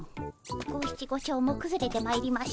五七五調もくずれてまいりました。